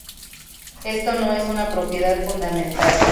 Esto no es una propiedad fundamental.